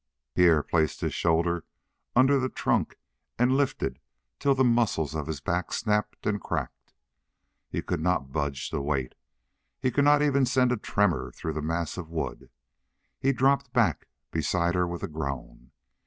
Pierre placed his shoulder under the trunk and lifted till the muscles of his back snapped and cracked. He could not budge the weight; he could not even send a tremor through the mass of wood. He dropped back beside her with a groan.